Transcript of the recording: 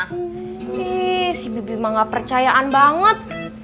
nih si bibi ma nggak percayaan banget